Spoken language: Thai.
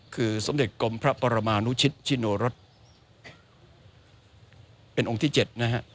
คือสมเด็จกรมพระปรมานุชิตชิโนรสเป็นองค์ที่๗นะฮะ